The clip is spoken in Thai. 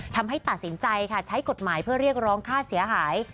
ทำให้ตัดสินใจค่ะใช้กฎหมายเพื่อเรียกร้องค่าเสียหาย